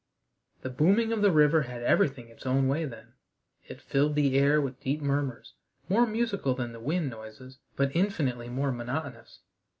The booming of the river had everything its own way then: it filled the air with deep murmurs, more musical than the wind noises, but infinitely more monotonous.